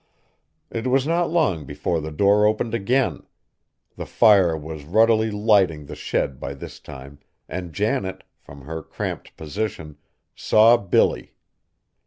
It was not long before the door opened again. The fire was ruddily lighting the shed by this time, and Janet, from her cramped position, saw Billy.